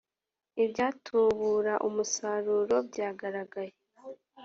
ibyatubura umusaruro byagaragaye